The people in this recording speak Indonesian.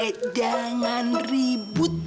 eh jangan ribut